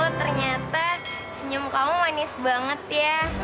oh ternyata senyum kamu manis banget ya